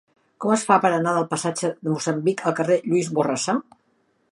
Com es fa per anar del passatge de Moçambic al carrer de Lluís Borrassà?